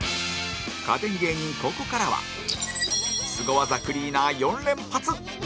家電芸人、ここからはスゴ技クリーナー４連発